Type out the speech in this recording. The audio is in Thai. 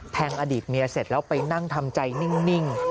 อดีตเมียเสร็จแล้วไปนั่งทำใจนิ่ง